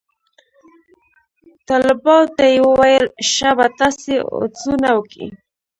طلباو ته يې وويل شابه تاسې اودسونه وكئ.